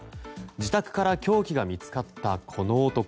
自宅から凶器が見つかったこの男。